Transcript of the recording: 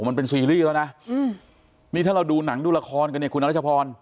มันเป็นซีรีส์แล้วนะนี่ถ้าเราดูหนังดูละครกันเนี่ยคุณอรัชพร